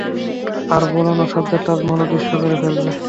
আর বলো যে সাজ্জাদ তাজমহল অদৃশ্য করে ফেলবে।